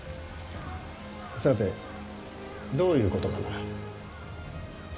さて、どういうことかなぁ。